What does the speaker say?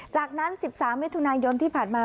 จากนั้น๑๓มิถุนายนที่ผ่านมา